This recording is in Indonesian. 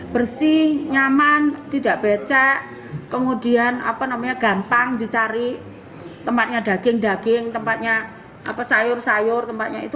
bersih nyaman tidak becak kemudian gampang dicari tempatnya daging daging tempatnya sayur sayur tempatnya itu